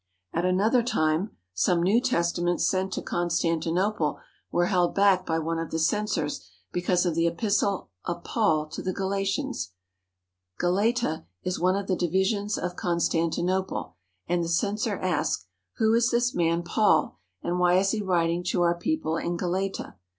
At another time some New Testaments sent to Con stantinople were held back by one of the censors because of the Epistle of Paul to the Galatians. Galata is one 255 THE HOLY LAND AND SYRIA of the divisions of Constantinople, and the censor asked: "Who is this man Paul, and why is he writing to our people in Galata?"